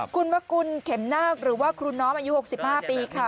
คุณวกุลเข็มนาคหรือว่าครูน้อมอายุ๖๕ปีค่ะ